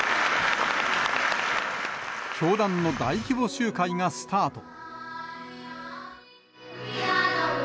教団の大規模集会がスタート。